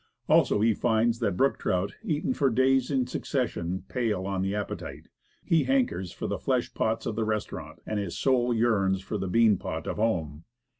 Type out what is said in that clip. Also, he finds that brook trout, eaten for days in succession, pall on the appetite. He bankers for the flesh pots of the restaurant, and his soul yearns for the bean pot of home.